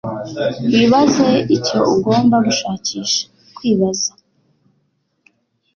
Wibaze icyo ugomba gushakisha; kwibaza,